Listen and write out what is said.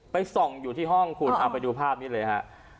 ส่องอยู่ที่ห้องคุณเอาไปดูภาพนี้เลยฮะ